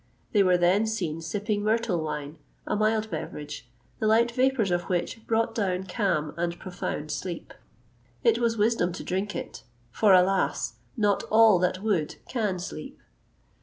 They were then seen sipping myrtle wine, a mild beverage, the light vapours of which brought down calm and profound sleep. It was wisdom to drink it; for, alas! not all that would, can sleep!